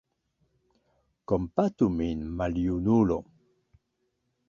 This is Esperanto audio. Kompatu min, maljunulo!